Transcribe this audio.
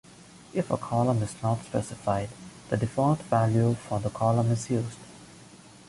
If a column is not specified, the default value for the column is used.